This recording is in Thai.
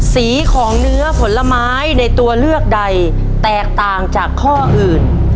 สีของเนื้อผลไม้ในตัวเลือกใดแตกต่างจากข้ออื่น